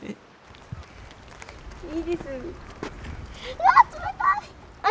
うわっ冷たい！